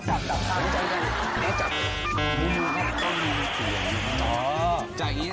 อ๋อจากนี้ตรงนี้ไปอ๋อจากนี้